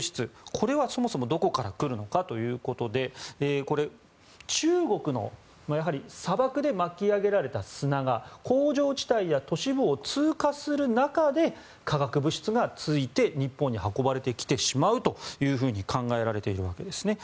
これは、そもそもどこから来るのかということでこれ、中国のやはり砂漠で巻き上げられた砂が工場地帯や都市部を通過する中で化学物質がついて日本に運ばれてきてしまうと考えられているわけですね。